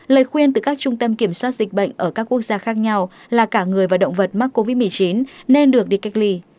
lời khuyên từ các trung tâm kiểm soát dịch bệnh ở các quốc gia khác nhau là cả người và động vật mắc covid một mươi chín nên được đi cách ly